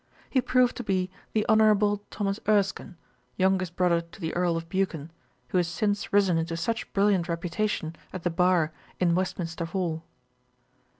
He proved to be the Honourable Thomas Erskine, youngest brother to the Earl of Buchan, who has since risen into such brilliant reputation at the bar in Westminster hall.